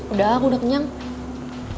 udah aku udah kenyang